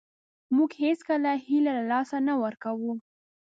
موږ هېڅکله هیله له لاسه نه ورکوو .